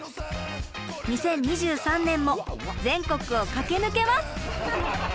２０２３年も全国を駆け抜けます！